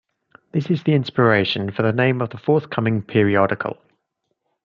This is the inspiration for the name of the forthcoming periodical.